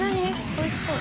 おいしそう。